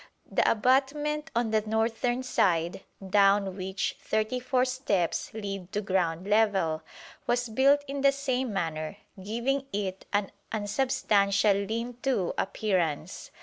The abutment on the northern side, down which thirty four steps lead to ground level, was built in the same manner, giving it an unsubstantial lean to appearance.